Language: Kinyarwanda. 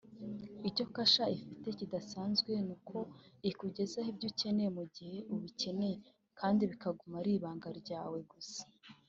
Icyo Kasha ifite kidasanzwe ni uko ikugezaho ibyo ukeneye mu gihe ubikeneye kandi bikaguma ari ibanga ryawe gusa